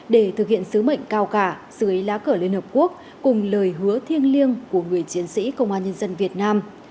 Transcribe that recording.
để thực hiện sứ mệnh cao cả dưới lá cờ liên hợp quốc cùng lời hứa thiêng liêng của người chiến sĩ công an nhân dân việt nam